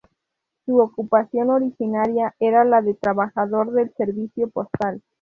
Su ocupación originaria era la de trabajador del servicio postal.